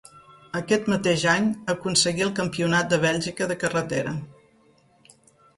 Aquest mateix any aconseguí el Campionat de Bèlgica de carretera.